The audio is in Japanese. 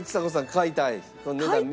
買いたい！